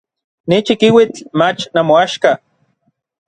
Ni chikiuitl mach namoaxka.